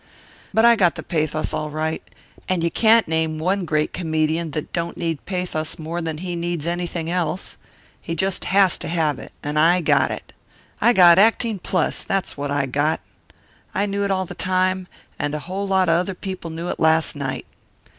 "But I got the pathos all right, and you can't name one great comedian that don't need pathos more'n he needs anything else. He just has to have it and I got it. I got acting plus; that's what, I got. I knew it all the time; and a whole lot of other people knew it last night.